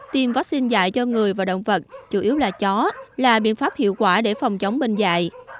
tiêm vaccine dạy cho người và động vật chủ yếu là chó là biện pháp hiệu quả để phòng chống bệnh dạy